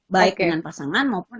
baik dengan pasangan maupun